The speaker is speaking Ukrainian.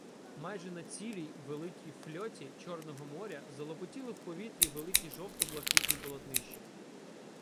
Майже на цілій великій фльоті Чорного моря залопотіли в повітрі великі жовто-блакитні полотнища.